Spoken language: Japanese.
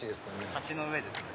橋の上ですね。